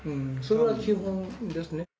それは基本ですね。